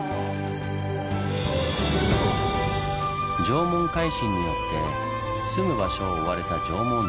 縄文海進によって住む場所を追われた縄文人。